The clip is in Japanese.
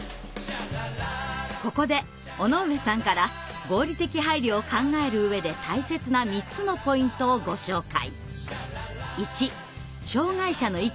ここで尾上さんから合理的配慮を考える上で大切な３つのポイントをご紹介。